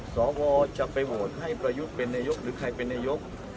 สวจะไปโหวดประยุทธ์คือใครเป็นนายก